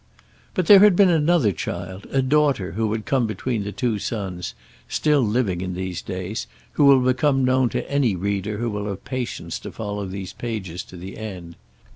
But there had been another child, a daughter, who had come between the two sons, still living in these days, who will become known to any reader who will have patience to follow these pages to the end.